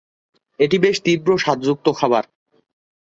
এটি বেশ তীব্র স্বাদ যুক্ত খাবার।